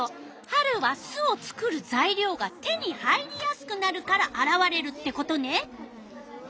春は巣を作るざいりょうが手に入りやすくなるからあらわれるってことね。